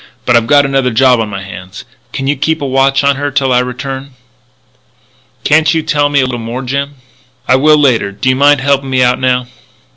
But I've got another job on my hands. Can you keep a watch on her till I return?" "Can't you tell me a little more, Jim?" "I will, later. Do you mind helping me out now?"